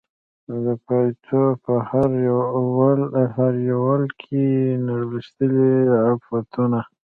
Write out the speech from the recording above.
د پایڅو په هر یو ول کې یې نغښتلي عفتونه